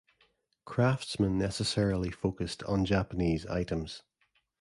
Craftsmen necessarily focused on Japanese items.